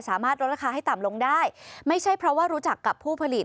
สามารถลดราคาให้ต่ำลงได้ไม่ใช่เพราะว่ารู้จักกับผู้ผลิต